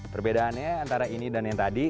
perbedaannya antara ini dan yang tadi